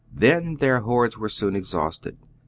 Then their hoards were soon exhausted.